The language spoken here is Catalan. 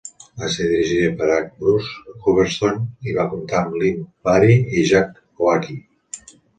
Va ser dirigida per H. Bruce Humberstone i va comptar amb Lynn Bari i Jack Oakie.